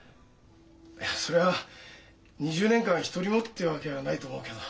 いやそりゃ２０年間一人もってわけはないと思うけど。